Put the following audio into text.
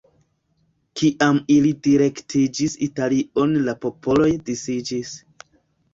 Kiam ili direktiĝis Italion la popoloj disiĝis.